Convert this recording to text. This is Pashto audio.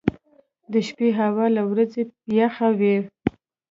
• د شپې هوا له ورځې یخه وي.